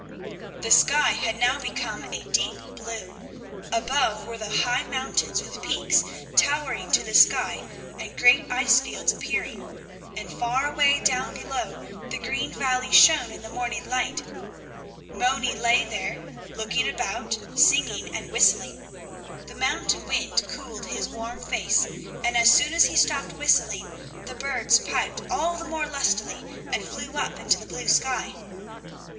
The sky had now become a deep blue; above were the high mountains with peaks towering to the sky and great ice fields appearing, and far away down below the green valley shone in the morning light. Moni lay there, looking about, singing and whistling. The mountain wind cooled his warm face, and as soon as he stopped whistling, the birds piped all the more lustily and flew up into the blue sky.